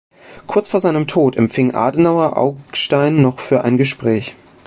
Kurz vor seinem Tod empfing Adenauer Augstein noch für ein Gespräch.